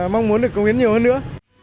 mong muốn được công hiến nhiều hơn nữa